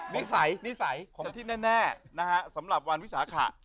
นิสัยนิสัยของที่แน่นะฮะสำหรับวันวิสาขะ